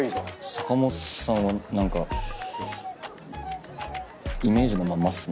坂本さんは何かイメージのまんまっすね。